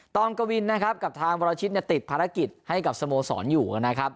องกวินนะครับกับทางวรชิตติดภารกิจให้กับสโมสรอยู่นะครับ